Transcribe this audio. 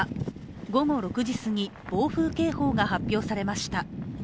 午後６時すぎ、暴風警報が発表されました。